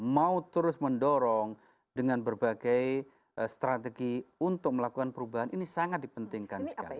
mau terus mendorong dengan berbagai strategi untuk melakukan perubahan ini sangat dipentingkan sekali